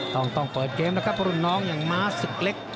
ต้องเปิดเกมนะครับรุ่นน้องอย่างม้าศึกเล็ก